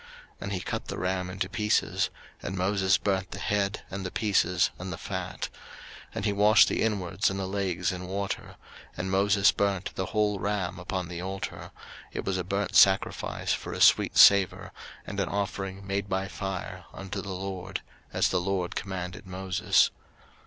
03:008:020 And he cut the ram into pieces; and Moses burnt the head, and the pieces, and the fat. 03:008:021 And he washed the inwards and the legs in water; and Moses burnt the whole ram upon the altar: it was a burnt sacrifice for a sweet savour, and an offering made by fire unto the LORD; as the LORD commanded Moses.